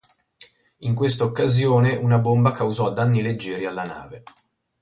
In questa occasione una bomba causò danni leggeri alla nave.